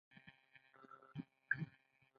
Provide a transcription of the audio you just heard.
ښایست د زړه خبرې کوي